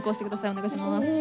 お願いします